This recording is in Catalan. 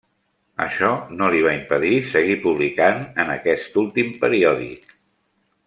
Això no li va impedir seguir publicant en aquest últim periòdic.